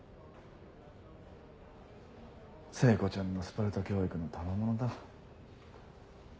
聖子ちゃんのスパルタ教育のたまものだ。